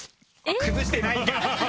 崩してないんか！